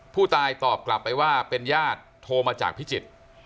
ผู้ตายตอบกลับไปว่าเป็นญาติโทรมาจากพิจิตร